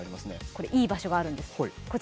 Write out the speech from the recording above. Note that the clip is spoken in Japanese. これ、いい場所があるんです。